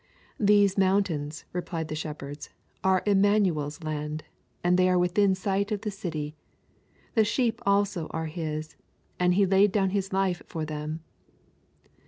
These mountains, replied the shepherds, are Immanuel's Land, and they are within sight of the city; the sheep also are His, and He laid down His life for them.